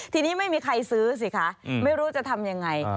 ทีนี้ไม่มีใครซื้อสิคะไม่รู้จะทำยังไง